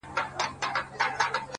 • شمېریې ډېر دی تر همه واړو مرغانو,